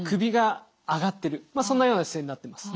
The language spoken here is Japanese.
まあそんなような姿勢になってます。